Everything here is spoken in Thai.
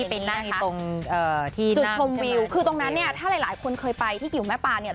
ที่เป็นนั่งอยู่ตรงที่นั่งจุดชมวิวคือตรงนั้นเนี่ยถ้าหลายคนเคยไปที่อยู่แม่ป่าเนี่ย